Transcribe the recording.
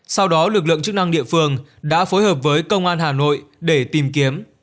sau đó lực lượng chức năng địa phương đã phối hợp với công an hà nội để tìm kiếm